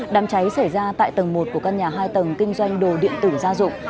đám cháy xảy ra tại tầng một của căn nhà hai tầng kinh doanh đồ điện tử gia dụng